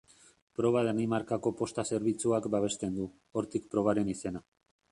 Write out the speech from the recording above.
Proba Danimarkako Posta Zerbitzuak babesten du, hortik probaren izena.